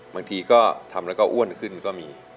บางทีก็ทำแล้วก็อ้วนขึ้นก็มี